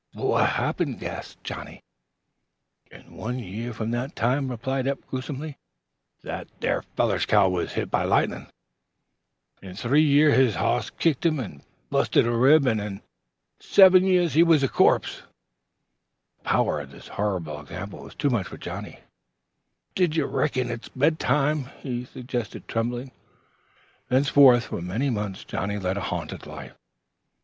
"What h happened?" gasped Johnnie. "In one year from that time," replied Eph gruesomely, "that there feller's cow wuz hit by lightnin'; in three year his hoss kicked him an' busted a rib; an' in seven year he wuz a corpse!" The power of this horrible example was too much for Johnnie. "Don't you reckon it's bedtime?" he suggested tremblingly. Thenceforth for many months Johnnie led a haunted life.